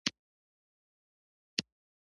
ګلداد ناست دی او چورت وهي.